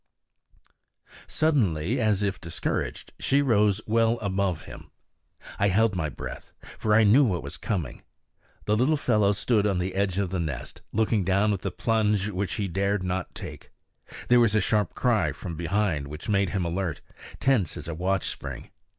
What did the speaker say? Suddenly, as if discouraged, she rose well above him. I held my breath, for I knew what was coming. The little fellow stood on the edge of the nest, looking down at the plunge which he dared not take. There was a sharp cry from behind, which made him alert, tense as a watch spring.